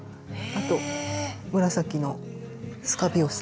あと紫のスカビオサ。